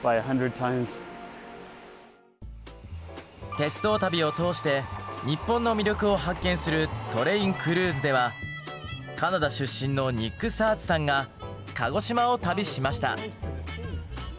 鉄道旅を通して日本の魅力を発見するカナダ出身のニック・サーズさんが鹿児島を旅しました。